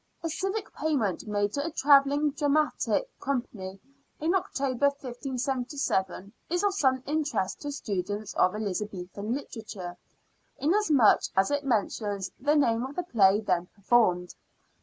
A civic payment made to a travelling dramatic com pany in October, 1577, is of some interest to students of Elizabethan literature, inasmuch as it mentions the name of the play then performed.